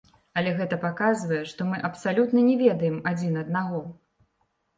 Але гэта паказвае, што мы абсалютна не ведаем адзін аднаго.